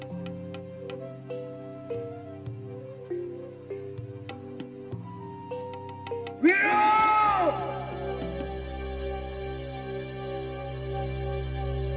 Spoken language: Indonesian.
kita akan ikut perjalanan